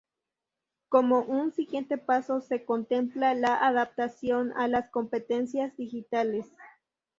Como un siguiente paso se contempla la adaptación a las competencias digitales.